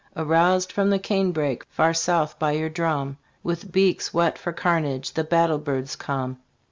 Aroused from the canebrake, far south, by your drum, With beaks whet for carnage, the Battle Birds come.